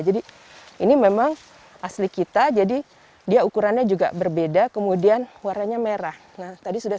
jadi ini memang asli kita jadi dia ukurannya juga berbeda kemudian warnanya merah tadi sudah